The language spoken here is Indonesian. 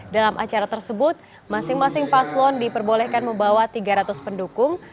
dalam acara tersebut masing masing paslon diperbolehkan membawa tiga ratus pendukung